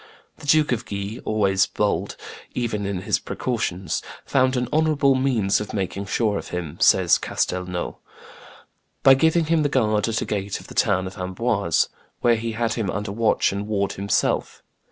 The Duke of Guise, always bold, even in his precautions, "found an honorable means of making sure of him," says Castelnau, "by giving him the guard at a gate of the town of Amboise," where he had him under watch and ward himself.